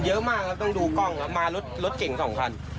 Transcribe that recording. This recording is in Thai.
เยอะมากครับต้องดูกล้องมารถเก่ง๒พัน